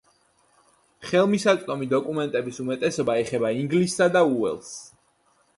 ხელმისაწვდომი დოკუმენტების უმეტესობა ეხება ინგლისსა და უელსს.